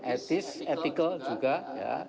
etis etikal juga ya